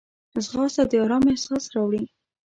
ځغاسته د آرام احساس راوړي